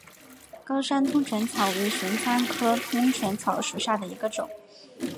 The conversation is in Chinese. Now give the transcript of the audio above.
高山通泉草为玄参科通泉草属下的一个种。